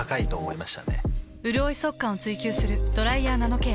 うるおい速乾を追求する「ドライヤーナノケア」。